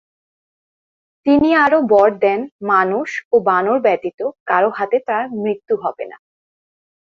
তিনি আরও বর দেন মানুষ ও বানর ব্যতীত কারো হাতে তার মৃত্যু হবে না।